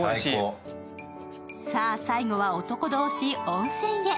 最後は、男同士温泉へ。